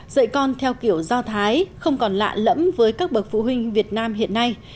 dạy con theo kiểu do thái không còn lạ lẫm với các bậc phụ huynh việt nam hiện nay